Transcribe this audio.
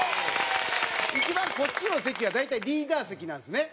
一番こっちの席は大体リーダー席なんですね。